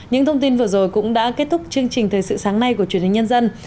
những thông tin vừa rồi cũng đã kết thúc chương trình thời sự sáng nay của truyền hình nhân dân